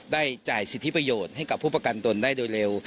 จ่ายสิทธิประโยชน์ให้กับผู้ประกันตนได้โดยเร็ว